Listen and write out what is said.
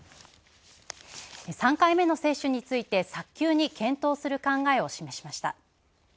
３回目の接種について早急に検討する考えを示しました。